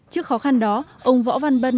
trước khó khăn đó ông võ văn bân